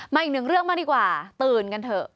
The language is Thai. อีกหนึ่งเรื่องมาดีกว่าตื่นกันเถอะ